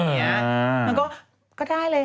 ลูกค้าก็เฮ้ล่ะลูกค้าก็ได้เลย